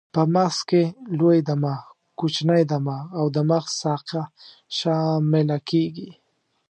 په مغز کې لوی دماغ، کوچنی دماغ او د مغز ساقه شامله کېږي.